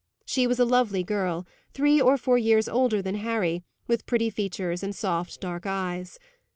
She was a lovely girl, three or four years older than Harry, with pretty features and soft dark eyes.